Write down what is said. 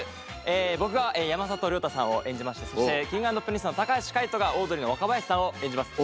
僕は山里亮太さんを演じましてそしてＫｉｎｇ＆Ｐｒｉｎｃｅの橋海人がオードリーの若林さんを演じます。